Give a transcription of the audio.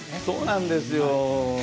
そうなんですよ。